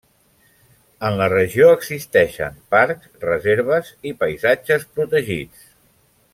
En la regió existeixen parcs, reserves i paisatges protegits.